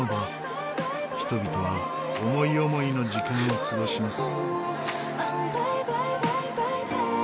人々は思い思いの時間を過ごします。